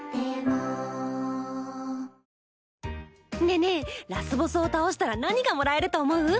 ねえねえラスボスを倒したら何がもらえると思う？